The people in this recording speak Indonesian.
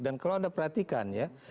dan kalau anda perhatikan ya